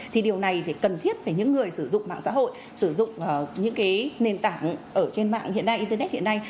thì điều này thì cần thiết phải những người sử dụng mạng xã hội sử dụng những nền tảng ở trên mạng hiện nay internet hiện nay